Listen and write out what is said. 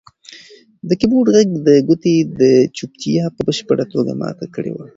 د کیبورډ غږ د کوټې چوپتیا په بشپړه توګه ماته کړې وه.